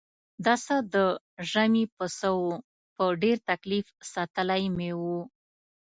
دا څه د ژمي پسه و په ډېر تکلیف ساتلی مې و.